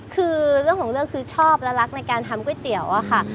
คือเรื่องของเรื่องคือชอบและรักในการทำก๋วยเตี๋ยวอะค่ะ